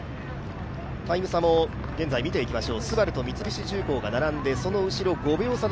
タイム差も現在見ていきましょう。